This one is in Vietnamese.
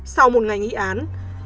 sau một ngày nghị án